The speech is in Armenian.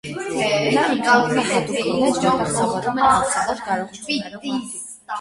Նա ընդունվում է հատուկ քոլեջ, որտեղ սովորում են անսովոր կարողություններով մարդիկ։